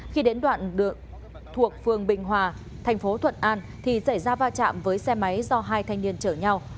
khi đến đoạn thuộc phường bình hòa thành phố thuận an thì xảy ra va chạm với xe máy do hai thanh niên chở nhau